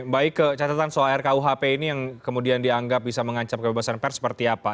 baik catatan soal rkuhp ini yang kemudian dianggap bisa mengancam kebebasan pers seperti apa